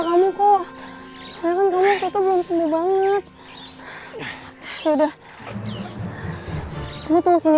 gue yakin nih pangeran pasti ada di deket deket sini